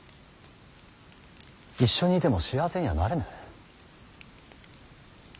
一緒にいても幸せにはなれぬ。